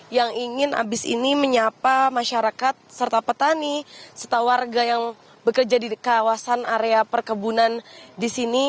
yang ingin abis ini menyapa masyarakat serta petani serta warga yang bekerja di kawasan area perkebunan di sini